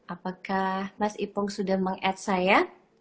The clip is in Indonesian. apakah mas ipong sudah meng add saya